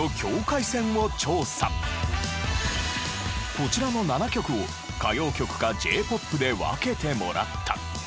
こちらの７曲を歌謡曲かＪ−ＰＯＰで分けてもらった。